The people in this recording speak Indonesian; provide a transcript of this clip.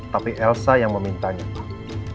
tapi elsa yang memintanya pak